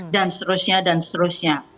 dan seterusnya dan seterusnya